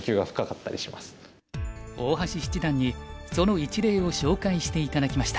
大橋七段にその一例を紹介して頂きました。